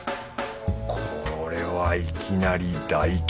これはいきなり大吉！